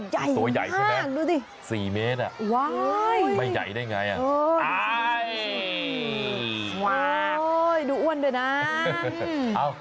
ตัวใหญ่มากดูสิสี่เมตรไม่ใหญ่ได้ไงอ่าดูอ้วนด้วยนะ